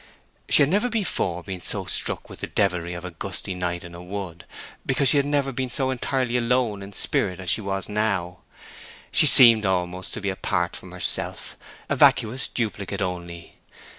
She had never before been so struck with the devilry of a gusty night in a wood, because she had never been so entirely alone in spirit as she was now. She seemed almost to be apart from herself—a vacuous duplicate only.